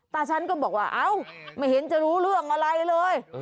ตาฉันก็บอกว่าเอ้าไม่เห็นจะรู้เรื่องอะไรเลย